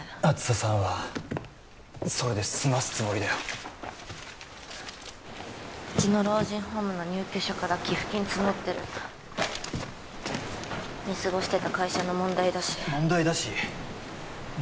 梓さんはそれで済ますつもりだようちの老人ホームの入居者から寄付金募ってる見過ごしてた会社の問題だし問題だし何？